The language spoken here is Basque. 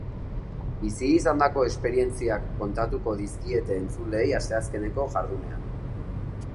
Bizi izandako esperientziak kontatuko dizkiete entzuleei asteazkeneko jardunean.